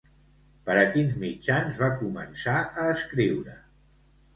Per a quins mitjans va començar a escriure?